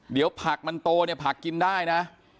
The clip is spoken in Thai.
เดี๋ยวผักมันโตเนี่ยผักกินได้นะ